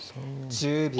１０秒。